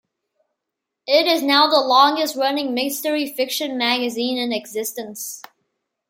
It is now the longest-running mystery fiction magazine in existence.